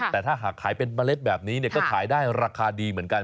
แต่ถ้าหากขายเป็นเมล็ดแบบนี้ก็ขายได้ราคาดีเหมือนกัน